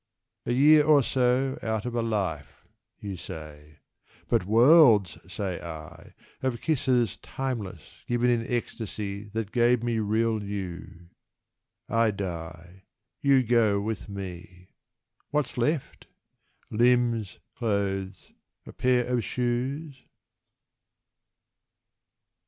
A year or so Out of a life," you say. But worlds, say I, Of kisses timeless given in ecstasy That gave me Real You. I die: you go With me. What's left? Limbs, clothes, a pair of shoes?...